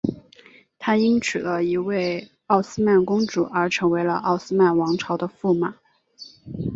他因娶了一位奥斯曼公主而成为了奥斯曼王朝的驸马。